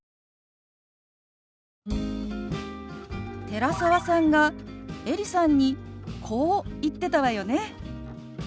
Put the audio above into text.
寺澤さんがエリさんにこう言ってたわよね。